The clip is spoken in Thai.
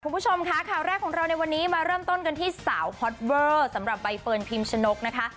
คุณผู้ชมค่ะข่าวแรกของเราในวันนี้มาเริ่มต้นกันที่สาวฮอตเวอร์สำหรับใบเฟิร์นพิมชนกนะคะ